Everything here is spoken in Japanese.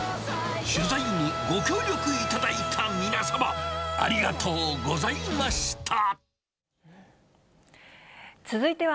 取材にご協力いただいた皆様、ありがとうございました。